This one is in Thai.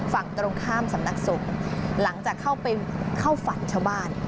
ฝั่งตรงข้ามสำนักสงฆ์หลังจากเข้าไปเข้าฝันชาวบ้าน